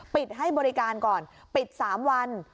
ปิดให้บริการก่อนปิด๓วัน